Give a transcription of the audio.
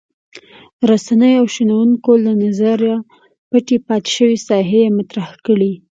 رسنیو او شنونکو له نظره پټې پاتې شوې ساحې یې مطرح کړې.